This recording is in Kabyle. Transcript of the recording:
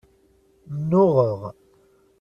Nnuɣeɣ.